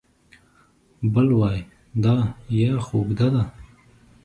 بل وای دا یا خو اوږده ده